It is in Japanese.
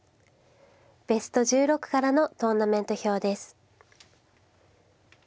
ベスト１６からのトーナメント表です。